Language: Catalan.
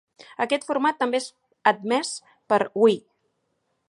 Aquest format també és admès per Wii.